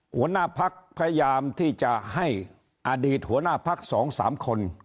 หัวหน้าพักพยายามที่จะให้อดีตหัวหน้าพัก๒๓คน